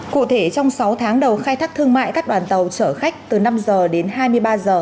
cụ thể trong sáu tháng đầu khai thác thương mại các đoàn tàu chở khách từ năm giờ đến hai mươi ba giờ